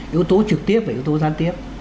yếu tố trực tiếp và yếu tố gian tiếp